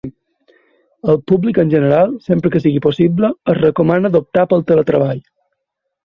Al públic en general, sempre que sigui possible, es recomana d’optar pel teletreball.